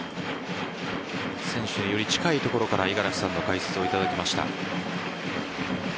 選手により近いところから五十嵐さんの解説をいただきました。